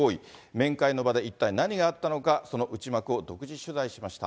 面会の場で一体何があったのか、その内幕を独自取材しました。